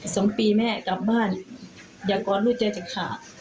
สองปีแม่กลับบ้านอยากกอดลูกเจ้าจักรค่ะ